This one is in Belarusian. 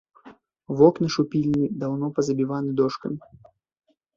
Вокны ж у пільні даўно пазабіваны дошкамі!